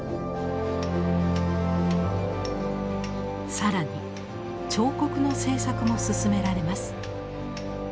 更に彫刻の制作も進められます。